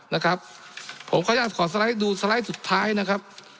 นะครับผมขออนุญาตขอสไลด์ดูสไลด์สุดท้ายนะครับ